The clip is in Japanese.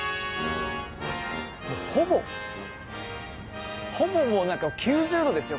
ほぼほぼ９０度ですよ